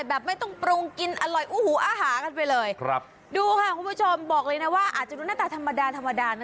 แบบไม่ต้องปรุงกินอร่อยอู้หูอาหารกันไปเลยครับดูค่ะคุณผู้ชมบอกเลยนะว่าอาจจะดูหน้าตาธรรมดาธรรมดานะ